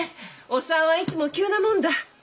お産はいつも急なもんだ。